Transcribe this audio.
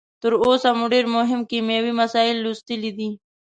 تر اوسه مو ډیر مهم کیمیاوي مسایل لوستلي دي.